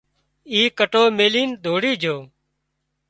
اي ڪٽو ميلين ڌوڙي جھو